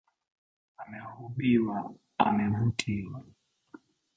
Amehibuwa - Amevutiwa